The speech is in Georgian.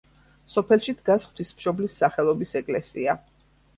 სოფელში დგას ღვთისმშობლის სახელობის ეკლესია.